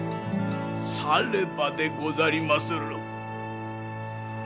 さればでござりまする。